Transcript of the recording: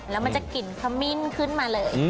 แล้วมันจะกลิ่นขมิ้นขึ้นมาเลย